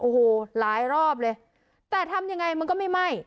โอ้โหหลายรอบเลยแต่ทำยังไงมันก็ไม่ไหม้